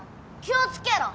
気をつけろ！